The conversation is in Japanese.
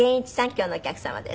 今日のお客様です。